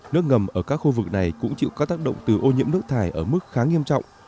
nước ngầm ở các khu vực này cũng chịu các tác động từ ô nhiễm nước thải ở mức khá nghiêm trọng